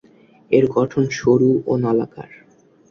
এর গঠন সরু ও নলাকার।